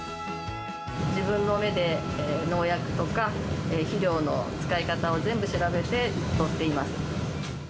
自分の目で、農薬とか肥料の使い方を全部調べて取っています。